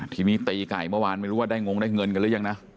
ทีนี้ตีไก่เมื่อวานไม่รู้ว่าได้งงได้เงินกันหรือยังนะ